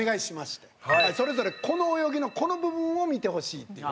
それぞれこの泳ぎのこの部分を見てほしいって。